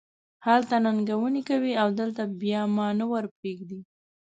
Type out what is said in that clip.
هلته ننګونې کوې او دلته بیا ما نه ور پرېږدې.